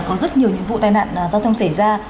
có rất nhiều những vụ tai nạn giao thông xảy ra